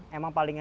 memang paling enak